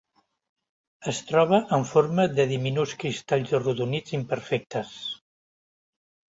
Es troba en forma de diminuts cristalls arrodonits imperfectes.